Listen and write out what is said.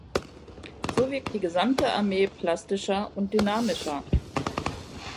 So wirkt die gesamte Armee plastischer und dynamischer.